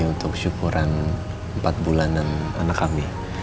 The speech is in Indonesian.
untuk syukuran empat bulanan anak kami